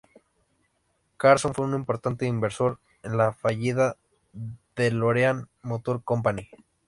Carson fue un importante inversor en la fallida DeLorean Motor Company.